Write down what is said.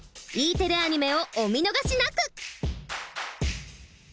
Ｅテレアニメをお見逃しなく！